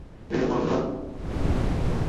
এই মামলা লড়া আমার মতো একজন উকিলের জন্য বড় চ্যালেঞ্জ।